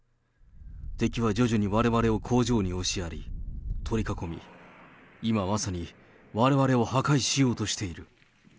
敵は徐々にわれわれを工場に押しやり、取り囲み、今まさにわれわれを破壊しようとしている。